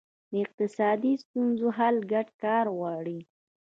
د اقتصادي ستونزو حل ګډ کار غواړي.